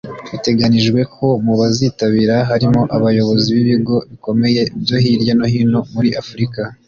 Biteganijwe ko mu bazitabira harimo abayobozi b’ibigo bikomeye byo hirya no hino muri Afurika